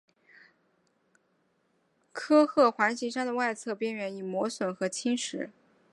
科赫环形山的外侧边缘已磨损和侵蚀。